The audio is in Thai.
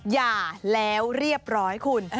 หย่าแล้วเรียบร้อยคุณ